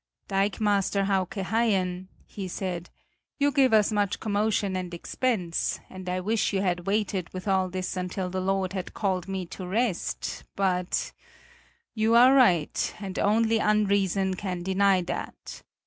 "Dikemaster Hauke Haien," he said, "you give us much commotion and expense, and I wish you had waited with all this until the Lord had called me to rest; but you are right, and only unreason can deny that.